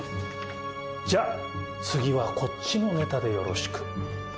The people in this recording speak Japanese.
じゃあ次はこっちのネタでよろしく。